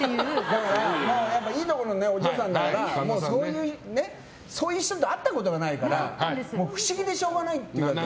だから、やっぱりいいとこのお嬢さんだからそういう人と会ったことがないから不思議でしょうがないって言うわけ。